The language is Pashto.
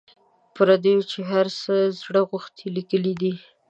پردیو چي هر څه زړه غوښتي لیکلي دي.